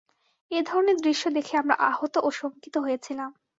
এ ধরনের দৃশ্য দেখে আমরা আহত ও শঙ্কিত হয়েছিলাম।